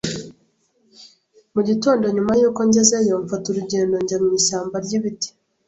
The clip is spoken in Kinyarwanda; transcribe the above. Mu gitondo nyuma yuko ngezeyo, mfata urugendo njya mu ishyamba ryibiti